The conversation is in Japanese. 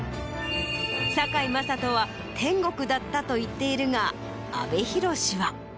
堺雅人は「天国だった」と言っているが阿部寛は。